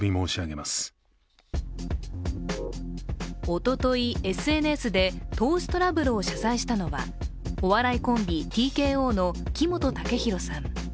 おとといＳＮＳで投資トラブルを謝罪したのはお笑いコンビＴＫＯの木本武宏さん。